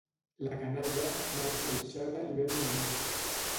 La canalla, mal faixada i ben mamada.